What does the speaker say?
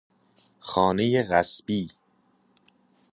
خانهی غصبی